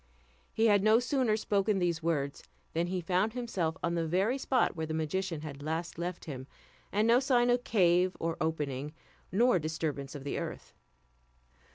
He had no sooner spoken these words, than he found himself on the very spot where the magician had last left him, and no sign of cave or opening, nor disturbance of the earth.